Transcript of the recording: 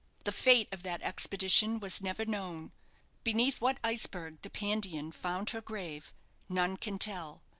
The fate of that expedition was never known. Beneath what iceberg the "Pandion" found her grave none can tell.